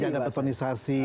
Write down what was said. tidak ada betonisasi